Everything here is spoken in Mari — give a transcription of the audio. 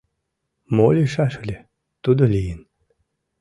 — Мо лийшаш ыле — тудо лийын...